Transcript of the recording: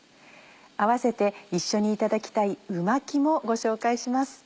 併せて一緒にいただきたい「う巻き」もご紹介します。